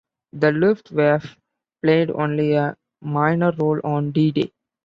The "Luftwaffe" played only a minor role on D-Day.